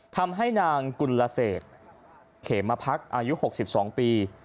ทำให้นางกุลเศษเขมพักอายุ๖๒ปี